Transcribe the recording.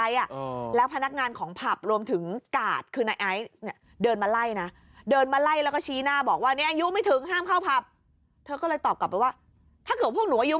ยังไงคุณผู้ชมช่วยบอกหน่อย